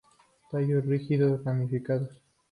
Tallos rígidos, ramificados.